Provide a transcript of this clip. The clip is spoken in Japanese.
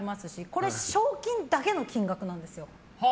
これ、賞金だけの金額なんですよ。